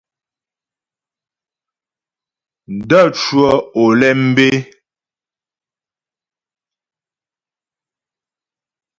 N də̂ cwə́ Olémbé.